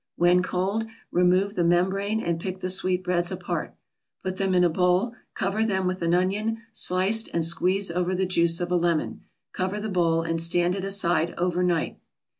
When cold, remove the membrane and pick the sweetbreads apart. Put them in a bowl, cover them with an onion, sliced, and squeeze over the juice of a lemon; cover the bowl and stand it aside over night.